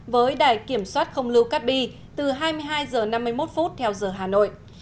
với đài kiểm soát không lưu cát bi từ hai mươi hai h năm mươi một theo giờ hà nội